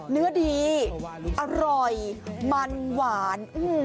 เนื้อดีอร่อยมันหวาน